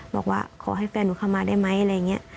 บอกว่าขอให้แฟนหนูเข้ามาได้ไหมอะไรอย่างนี้